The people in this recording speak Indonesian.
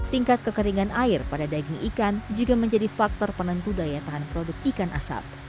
tingkat kekeringan air pada daging ikan juga menjadi faktor penentu daya tahan produk ikan asap